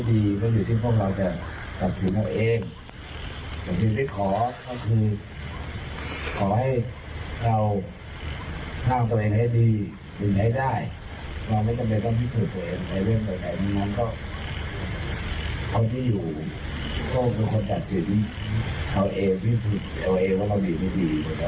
ดังนั้นก็คนที่อยู่ก็คือคนจัดสินเอาเองพิสูจน์เอาเองว่าเรามีที่ดี